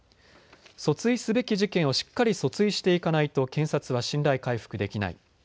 訴追すべき事件をしっかり訴追していかないと検察は信頼回復できない。